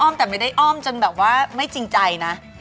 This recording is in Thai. แต่ไม่ได้อ้อมจนแบบว่าไม่จริงใจนะ